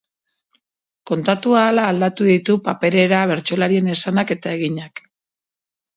Kontatu ahala aldatu ditu paperera bertsolariaren esanak eta eginak.